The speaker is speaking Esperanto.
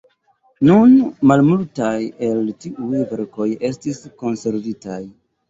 Nur malmultaj el tiuj verkoj estis konservitaj.